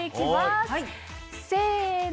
せの。